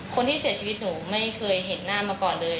คนที่เสียชีวิตหนูไม่เคยเห็นหน้ามาก่อนเลย